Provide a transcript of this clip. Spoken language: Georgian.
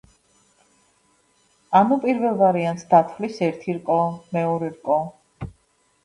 ანუ, პირველ ვარიანტს დათვლის ერთი რკო, მეორე რკო.